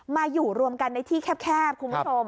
มาอยู่รวมกันในที่แคบคุณผู้ชม